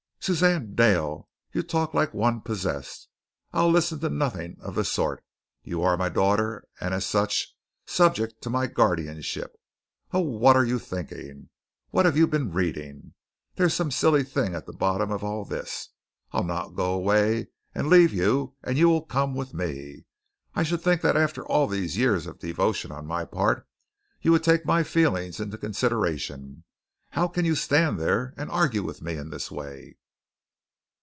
"Suzanne Dale, you talk like one possessed. I'll listen to nothing of the sort. You are my daughter, and as such, subject to my guardianship. Of what are you thinking? What have you been reading? There's some silly thing at the bottom of all this. I'll not go away and leave you and you will come with me. I should think that after all these years of devotion on my part, you would take my feelings into consideration. How can you stand there and argue with me in this way?"